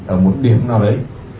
ở một điểm nào đấy